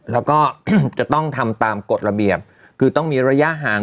แล้วก็จะต้องทำตามกฎระเบียบคือต้องมีระยะห่าง